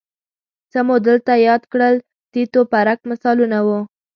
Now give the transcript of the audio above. څه مو دلته یاد کړل تیت و پرک مثالونه وو